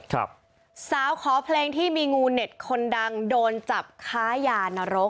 สาวขอเพลงที่มีงูเน็ตคนดังโดนจับค้ายานรก